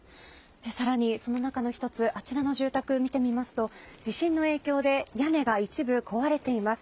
更にその中の１つあちらの住宅を見てみますと地震の影響で屋根が一部壊れています。